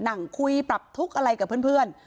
นั่งคุยปรับทุกข์อะไรกับเพื่อน